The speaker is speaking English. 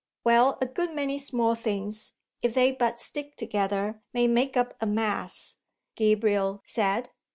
"Well, a good many small things, if they but stick together, may make up a mass," Gabriel said.